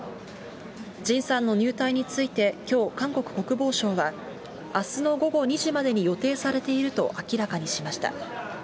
ジンさんの入隊について、きょう、韓国国防省は、あすの午後２時までに予定されていると明らかにしました。